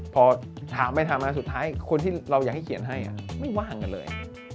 พอถามไปถามมาสุดท้ายคนที่เราอยากให้เขียนให้ไม่ว่างกันเลย